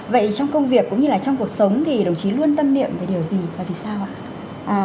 vậy trong công việc cũng như là trong cuộc sống thì đồng chí luôn tâm niệm về điều gì và vì sao ạ